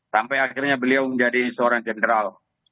sampai akhirnya beliau menjadi seorang jenderal